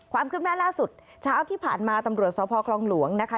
ความคืบหน้าล่าสุดเช้าที่ผ่านมาตำรวจสพคลองหลวงนะคะ